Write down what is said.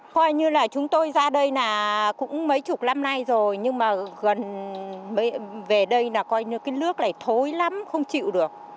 coi như là chúng tôi ra đây là cũng mấy chục năm nay rồi nhưng mà gần về đây là coi như cái nước này thối lắm không chịu được